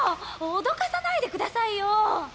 脅かさないでくださいよ。